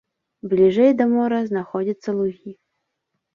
Бліжэй да мора знаходзяцца лугі.